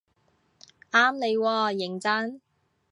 啱你喎認真